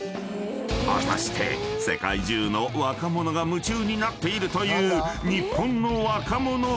［果たして世界中の若者が夢中になっているという日本の若者文化とは？］